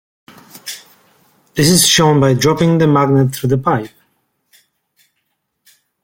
This is shown by dropping the magnet through the pipe.